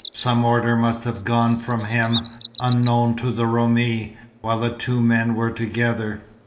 Some order must have gone from him, unknown to the Roumi, while the two men were together.